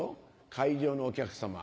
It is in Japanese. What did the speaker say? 会場のお客さま